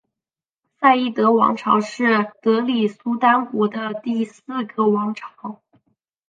赛义德王朝是德里苏丹国第四个王朝。